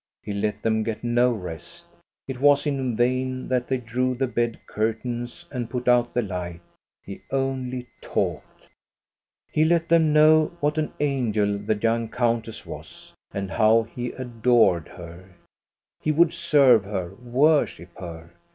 He let them get no rest. It was in vain that they drew the bed curtains and put out the light. He only talked. He let them know what an angel the young coun tess was, and how he adored her. He would serve her, worship her.